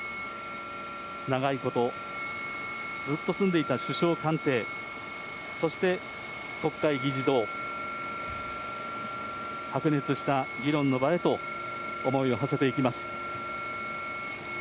長いこと、ずっと住んでいた首相官邸、そして国会議事堂、白熱した議論の場へと思いをはせていきます。